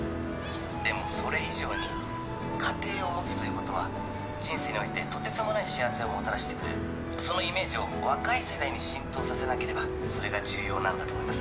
でもそれ以上に家庭を持つということは人生においてとてつもない幸せをもたらしてくれるそのイメージを若い世代に浸透させなければそれが重要なんだと思います